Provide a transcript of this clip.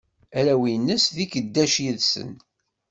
Arraw-ines di geddac yid-sen.